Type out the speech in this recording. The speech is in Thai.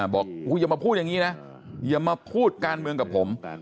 บอกอย่ามาพูดอย่างนี้นะอย่ามาพูดการเมืองกับผม